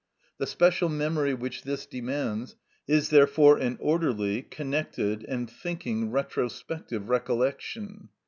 The special memory which this demands is therefore an orderly, connected, and thinking retrospective recollection.